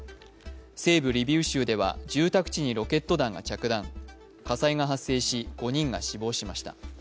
西部リビウ州では住宅地にロケット弾が着弾、火災が発生し、５人が死亡しました。